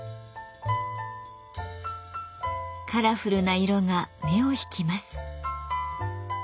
カラフルな色が目を引きます。